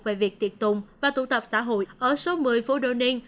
về việc tiệt tùng và tụ tập xã hội ở số một mươi phố đô ninh